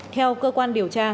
theo cơ quan điều tra